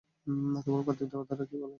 তোমার পার্থিব দেবতারা কী বলেন?